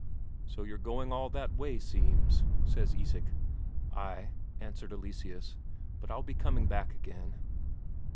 "So you're going all that way, seems?" says Isak. "Ay," answered Eleseus; "but I'll be coming back again."